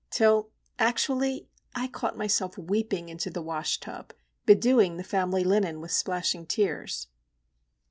—till, actually, I caught myself weeping into the washtub, bedewing the family linen with splashing tears.